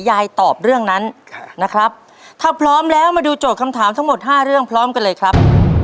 ยายตอบเรื่องนั้นนะครับถ้าพร้อมแล้วมาดูโจทย์คำถามทั้งหมด๕เรื่องพร้อมกันเลยครับ